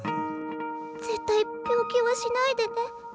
絶対病気はしないでね。